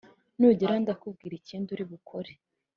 nugerayo ndakubwira ikindi uri bukore